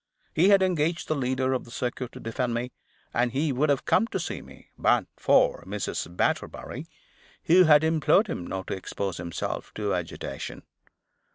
He had engaged the leader of the circuit to defend me; and he would have come to see me, but for Mrs. Batterbury; who had implored him not to expose himself to agitation.